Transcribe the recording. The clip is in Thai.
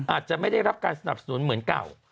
อาจจะไม่ได้รับการสนับสนุนเหมือนเก่า